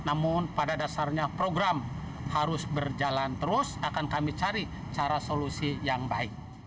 artinya program harus berjalan terus akan kami cari cara solusi yang baik